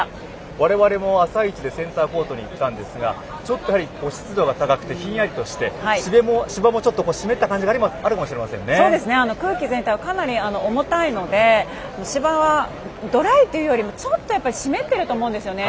我々も朝一でセンターコートに行ったんですがやはり湿度が高くてひんやりして芝も湿った感じが空気全体が重たいので芝はドライというよりもちょっと湿ってると思うんですね。